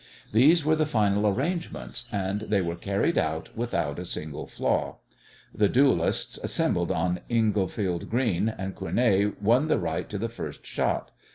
These were the final arrangements, and they were carried out without a single flaw. The duellists assembled on Englefield Green, and Cournet won the right to the first shot.